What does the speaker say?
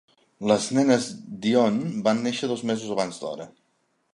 Les nenes Dionne van néixer dos mesos abans d'hora.